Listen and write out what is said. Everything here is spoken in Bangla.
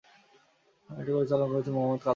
এটি পরিচালনা করেছেন মোহাম্মদ কাদৌরা।